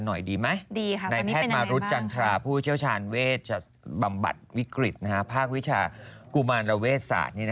หน่อยดีไหมในแพทย์มารุธจันทราผู้เชี่ยวชาญเวชบำบัดวิกฤตภาควิชากุมารเวชศาสตร์